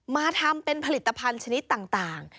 มาทำเป็นผลิตภัณฑ์ชนิดต่าง